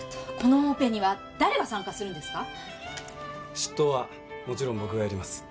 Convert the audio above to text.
執刀はもちろん僕がやります。